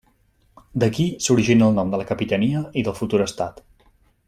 D'aquí s'origina el nom de la capitania i del futur estat.